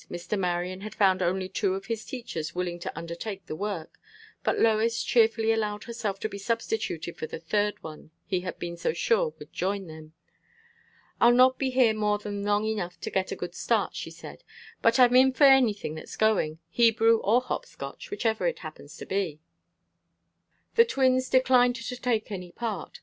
Mr. Marion had found only two of his teachers willing to undertake the work, but Lois cheerfully allowed herself to be substituted for the third one he had been so sure would join them. "I'll not be here more than long enough to get a good start," she said, "but I'm in for anything that's going Hebrew or Hopscotch, whichever it happens to be." The twins declined to take any part.